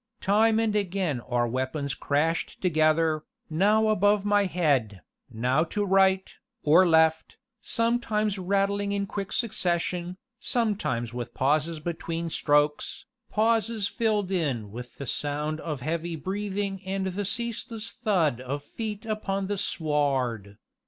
Time and again our weapons crashed together, now above my head, now to right, or left, sometimes rattling in quick succession, sometimes with pauses between strokes, pauses filled in with the sound of heavy breathing and the ceaseless thud of feet upon the sward.